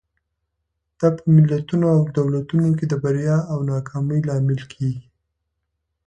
دا په ملتونو او دولتونو کې د بریا او ناکامۍ لامل کېږي.